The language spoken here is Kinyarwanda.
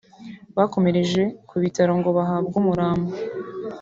bakomereje ku bitaro ngo bahabwe umurambo